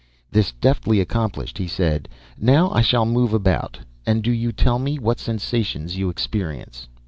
This deftly accomplished, he said, "Now I shall move about, and do you tell me what sensations you experience."